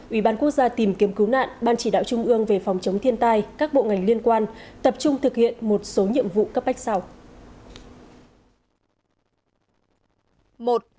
ủy ban quốc gia tìm kiếm cứu nạn ban chỉ đạo trung ương về phòng chống thiên tai các bộ ngành liên quan tập trung thực hiện một số nhiệm vụ cấp bách sau